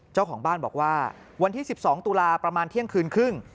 เจ้าของบ้านบอกว่าวันที่๑๒ตุลาประมาณเที่ยงคืนครึ่ง